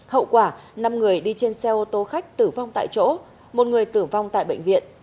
hậu quả năm người đi trên xe ô tô khách tử vong tại chỗ một người tử vong tại bệnh viện